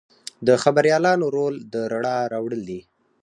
د خبریالانو رول د رڼا راوړل دي.